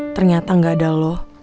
ternyata gak ada lo